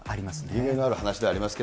夢のある話ではありますね。